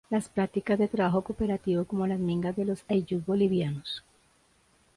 las prácticas de trabajo cooperativo como las mingas de los ayllús bolivianos